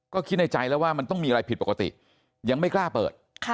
ก็คิดในใจแล้วว่ามันต้องมีอะไรผิดปกติยังไม่กล้าเปิด